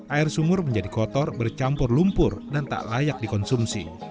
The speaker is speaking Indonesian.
air sumur menjadi kotor bercampur lumpur dan tak layak dikonsumsi